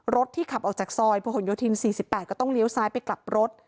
รถที่ขับออกจากซอยผู้คนยอดทีม๔๘ก็ต้องเลี้ยวซ้ายไปกลับรถ